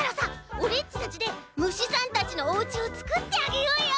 オレっちたちでむしさんたちのおうちをつくってあげようよ！